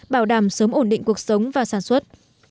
bảo đảm sớm ổn định cuộc sống và sản xuất